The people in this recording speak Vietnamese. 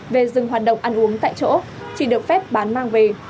về dừng hoạt động ăn uống tại chỗ chỉ được phép bán mang về